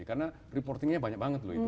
karena reportingnya banyak banget loh itu